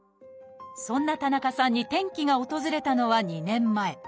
そんな田中さんに転機が訪れたのは２年前。